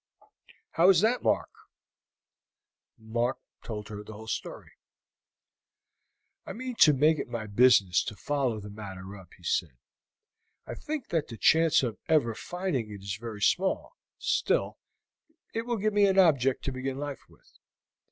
"How is that, Mark?" Mark told her the whole story. "I mean to make it my business to follow the matter up," he said. "I think that the chance of ever finding it is very small. Still, it will give me an object to begin life with."